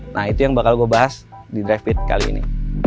nah itu yang bakal gue bahas di drivit kali ini